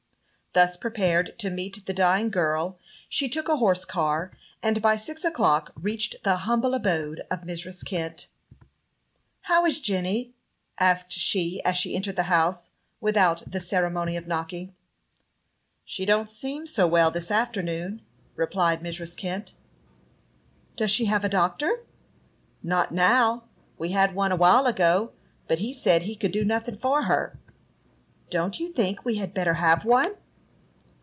Thus prepared to meet the dying girl, she took a horse car, and by six o'clock reached the humble abode of Mrs. Kent. "How is Jenny?" asked she, as she entered the house, without the ceremony of knocking. "She don't seem so well this afternoon," replied Mrs. Kent. "Does she have a doctor?" "Not now; we had one a while ago, but he said he could do nothing for her." "Don't you think we had better have one?"